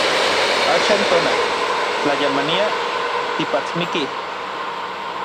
Axan tona, tlayamania, tipatsmikij.